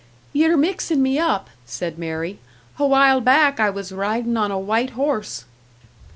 "Ye're mixin' me up," said Mary. "A while back I was ridin' on a white horse."